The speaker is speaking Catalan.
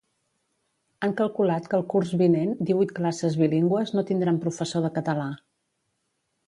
Han calculat que el curs vinent divuit classes bilingües no tindran professor de català